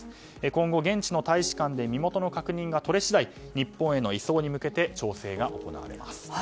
今後、現地の大使館で身元の確認が取れ次第日本への移送に向けて調整が行われます。